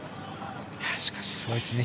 しかし、すごいですね。